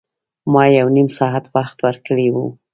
ما یو نیم ساعت وخت ورکړی و.